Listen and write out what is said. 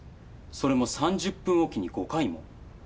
それも３０分置きに５回も。